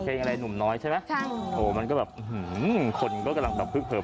เพลงอะไรหนุ่มน้อยใช่ไหมใช่โอ้มันก็แบบอื้อหือคนก็กำลังแบบเพิ่มเพิ่ม